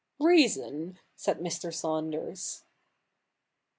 ' Reason,' said Mr. Saunders.